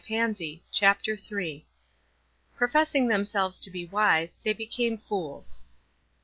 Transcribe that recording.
Thank you." CHAPTER IIL " Professing themselves to bo wise, they became fools."